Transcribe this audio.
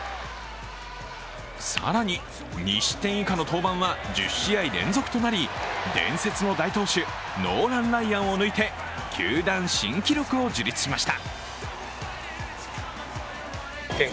更に、２失点以下の登板は１０試合連続となり伝説の大投手、ノーラン・ライアンを抜いて球団新記録を樹立しました。